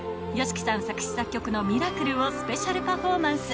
ＹＯＳＨＩＫＩさん作詞作曲の『Ｍｉｒａｃｌｅ』をスペシャルパフォーマンス